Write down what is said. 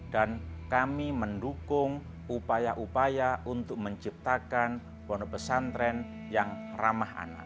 dan kami mendukung upaya upaya untuk menciptakan pohon pesantren yang ramah anak